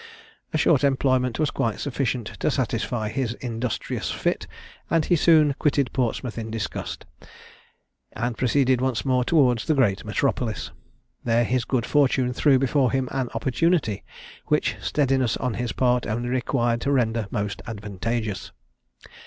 A short employment was quite sufficient to satisfy his industrious fit, and he soon quitted Portsmouth in disgust, and proceeded once more towards the great metropolis. There his good fortune threw before him an opportunity, which steadiness on his part only required to render most advantageous.